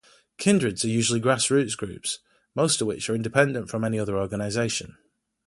Kindreds are usually grassroots groups, most of which are independent from any other organization.